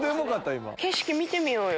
今景色見てみようよ